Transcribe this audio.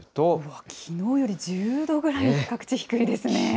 うわっ、きのうより１０度ぐらいも各地、低いですね。